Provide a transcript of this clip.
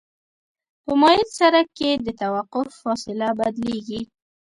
په مایل سرک کې د توقف فاصله بدلیږي